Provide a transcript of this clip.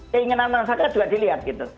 keinginan masyarakat juga dilihat gitu